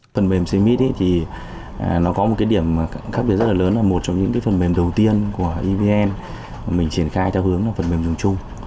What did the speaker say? phần mềm cmit thì nó có một cái điểm khác biệt rất là lớn là một trong những phần mềm đầu tiên của evn mà mình triển khai theo hướng là phần mềm dùng chung